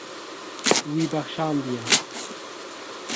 Wî bexşandiye.